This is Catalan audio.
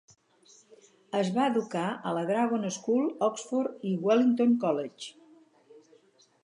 Es va educar a la Dragon School, Oxford i Wellington College.